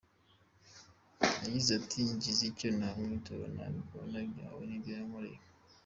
Yagize ati “Ngize icyo namwitura sinakibona gihwanye n’ibyo yankoreye.